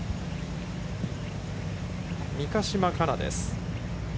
三ヶ島かなです。